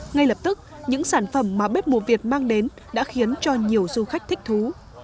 ngay lập tức những sản phẩm mà bếp mùa việt mang đến đã khiến cho nhiều du khách thích thú